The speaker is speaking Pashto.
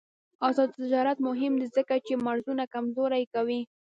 آزاد تجارت مهم دی ځکه چې مرزونه کمزوري کوي.